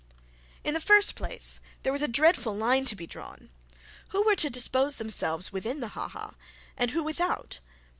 In the first place there was a dreadful line to be drawn. Who was to dispose themselves within the ha ha, and who without?